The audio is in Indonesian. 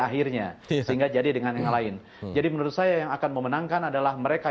akhirnya sehingga jadi dengan yang lain jadi menurut saya yang akan memenangkan adalah mereka